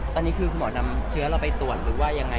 ตอนนี้คือคุณหมอนำเชื้อเราไปตรวจหรือว่ายังไง